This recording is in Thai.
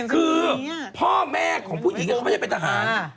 คือพ่อแม่ของผู้หญิงเขาไม่ได้เป็นทหาร